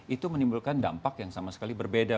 itu menimbulkan dampak yang sama sekali berbeda